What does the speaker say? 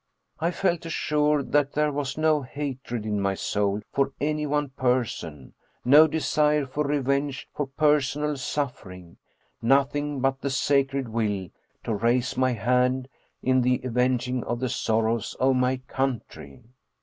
I felt assured that there was no hatred in my soul for any one person, no desire for revenge for personal suffering, nothing but the sacred will to raise my hand in the avenging of the sorrows of my country.